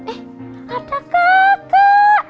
eh ada kakak